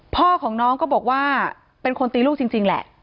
พ่อของน้องก็บอกว่าเป็นคนตีลูกจริงแหละ